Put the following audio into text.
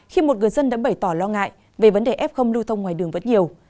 khi một người dân đã bày tỏ lo ngại về vấn đề f không lưu thông ngoài đường vẫn nhiều